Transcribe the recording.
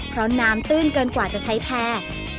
เพราะน้ำตื้นเกินกว่าจะใช้แพร่